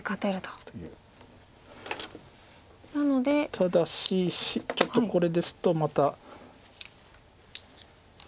ただしちょっとこれですとまた。